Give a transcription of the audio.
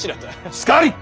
しかり。